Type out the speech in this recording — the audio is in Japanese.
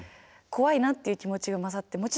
怖いなっていう気持ちが混ざって。